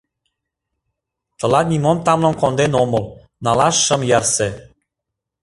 Тылат нимом тамлым конден омыл, налаш шым ярсе...